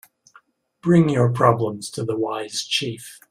Bring your problems to the wise chief.